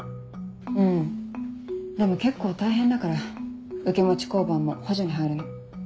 うんでも結構大変だから受け持ち交番も補助に入るの。